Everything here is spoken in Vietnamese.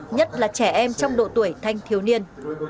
nhất là trẻ em trong độ tuổi thanh thiếu niên